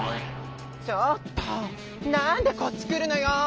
ちょっとなんでこっちくるのよ！